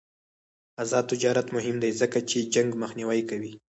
آزاد تجارت مهم دی ځکه چې جنګ مخنیوی کوي.